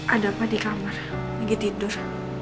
ada apa di kamar lagi tidur